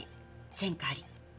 前科あり。